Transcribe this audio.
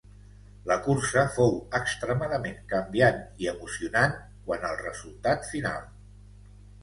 La cursa fou extremadament canviant i emocionant quant al resultat final.